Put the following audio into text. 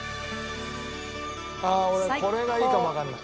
俺これがいいかもわからない。